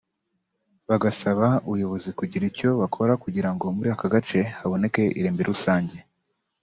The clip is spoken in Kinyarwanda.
bagasaba ubuyobozi kugira icyo bukora kugirango muri aka gace haboneke irimbi rusange